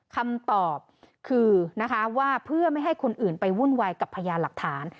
คำตอบคือนะคะว่าเพื่อไม่ให้คนอื่นไปวุ่นวายกับพยานหลักฐาน